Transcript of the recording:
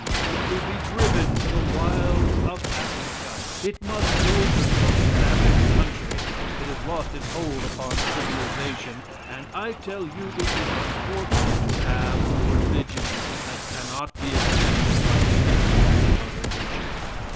It will be driven to the wilds of Africa. It must go to some savage country; it has lost its hold upon civilization, and I tell you it is unfortunate to have a religion that cannot be accepted by the intellect of a nation.